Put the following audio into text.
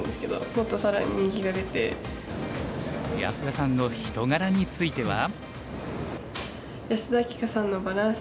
安田さんの人柄については？